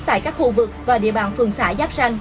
tại các khu vực và địa bàn phường xã giáp xanh